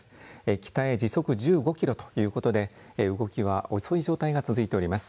北へ時速１５キロということで動きは遅い状態が続いております。